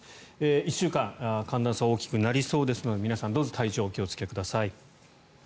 １週間寒暖差大きくなりそうですので皆さん、どうぞ体調にお気をつけください。